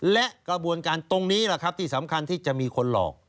และกระบวนการตรงนี้แหละครับที่สำคัญที่จะมีคนหลอก